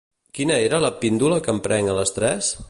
Quina era la píndola que em prenc a les tres?